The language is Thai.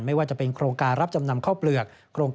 ไม่ว่าจะเป็นโครงการรับจำนำข้าวเปลือก